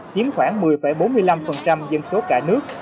chiếm khoảng một mươi bốn mươi năm dân số cả nước